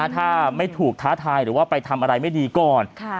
ถ้าไม่ถูกท้าทายหรือว่าไปทำอะไรไม่ดีก่อน